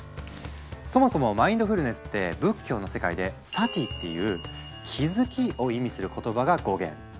そもそも「マインドフルネス」って仏教の世界で「Ｓａｔｉ」っていう「気づき」を意味する言葉が語源。